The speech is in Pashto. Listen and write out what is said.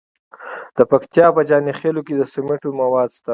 د پکتیا په جاني خیل کې د سمنټو مواد شته.